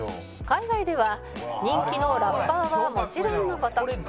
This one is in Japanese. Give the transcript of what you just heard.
「海外では人気のラッパーはもちろんの事